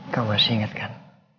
kamu harus ingatkan